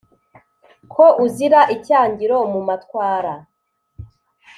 Ko uzira icyangiro mu matwara,